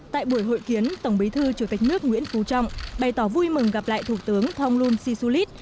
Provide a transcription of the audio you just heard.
tại buổi hội kiến tổng bí thư chủ tịch nước nguyễn phú trọng bày tỏ vui mừng gặp lại thủ tướng thông luân si su lít